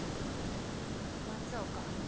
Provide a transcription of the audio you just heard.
松岡。